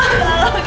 cepat bawa pak